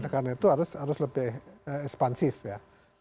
karena itu harus lebih ekspansif ya